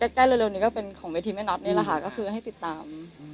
ใกล้เร็วนี้ก็เป็นของเวทีแม่น็อตนี่แหละค่ะก็คือให้ติดตาม